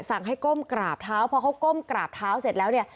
สั่งให้ก้มกราบเท้าพอเขาก้มกราบเท้าเสร็จแล้วเนี่ย